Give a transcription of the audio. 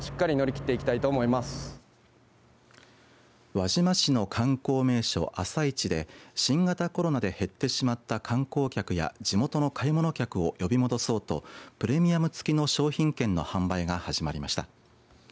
輪島市の観光名所、朝市で新型コロナで減ってしまった観光客や地元の買い物客を呼び戻そうとプレミアム付きの商品券の販売が始まりました。